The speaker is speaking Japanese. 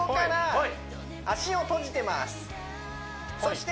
はい